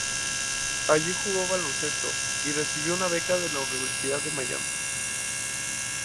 Allí jugó al baloncesto, y recibió un beca de la Universidad de Miami.